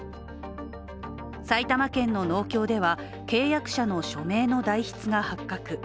埼玉県の農協では、契約者の署名の代筆が発覚。